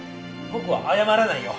僕は謝らないよ。